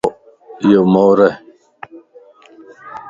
ايو مور ائي